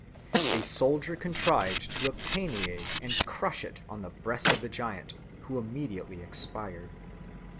A soldier contrived to obtain the egg and crush it on the breast of the giant, who immediately expired.